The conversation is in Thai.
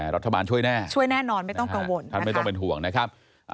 รัฐบาลช่วยแน่ท่านไม่ต้องเป็นห่วงนะครับช่วยแน่นอน